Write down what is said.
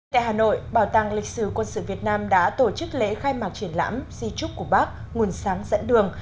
tại hà nội bảo tàng lịch sử quân sự việt nam đã tổ chức lễ khai mạc triển lãm di trúc của bác nguồn sáng dẫn đường